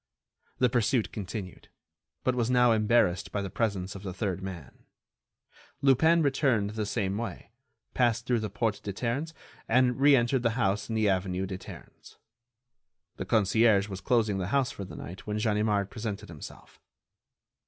The pursuit continued, but was now embarrassed by the presence of the third man. Lupin returned the same way, passed through the Porte des Ternes, and re entered the house in the avenue des Ternes. The concierge was closing the house for the night when Ganimard presented himself.